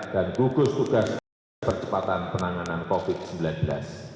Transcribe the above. dan gugus tugas untuk percepatan penanganan covid sembilan belas